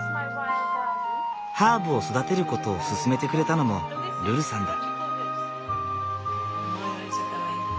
ハーブを育てることを勧めてくれたのもルルさんだ。